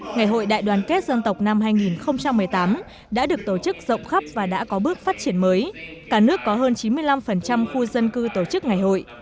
ngày hội đại đoàn kết dân tộc năm hai nghìn một mươi tám đã được tổ chức rộng khắp và đã có bước phát triển mới cả nước có hơn chín mươi năm khu dân cư tổ chức ngày hội